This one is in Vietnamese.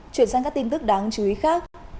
chuyển sang các tin tức đáng chú ý khác